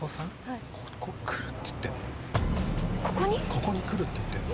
ここに来るって言ってんの。